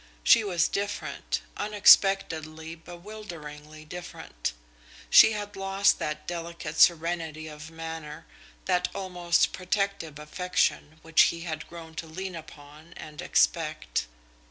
She was different unexpectedly, bewilderingly different. She had lost that delicate serenity of manner, that almost protective affection which he had grown to lean upon and expect.